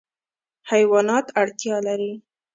حیوانات اړتیا لري.